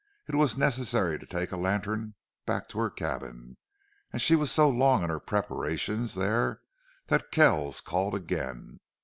It was necessary to take a lantern back to her cabin, and she was so long in her preparations there that Kells called again.